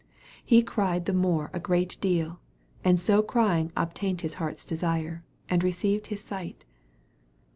" He cried the more a great deal/' and so cry ing obtained his heart's desire, and received his sight.